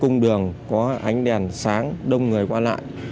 cung đường có ánh đèn sáng đông người qua lại